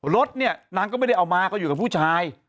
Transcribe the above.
รถเนี่ยนางก็ไม่ได้เอามาก็อยู่กับผู้ชาย